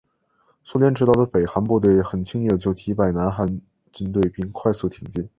苏联指导的北韩部队很轻易的就击败南韩军队并快速挺进。